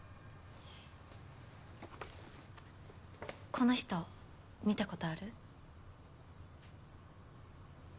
この人見た事ある？